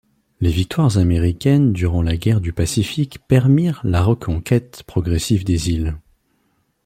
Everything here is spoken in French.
Les victoires américaines durant la guerre du Pacifique permirent la reconquête progressive des îles.